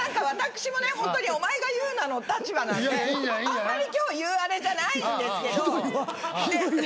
私もねお前が言うなの立場なんであんまり今日言うあれじゃないんですけど。